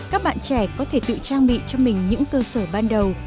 các bạn trẻ có thể tự trang bị cho mình những cơ sở ban đầu